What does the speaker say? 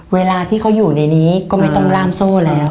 เวลาที่เขาอยู่ในนี้ก็ไม่ต้องล่ามโซ่แล้ว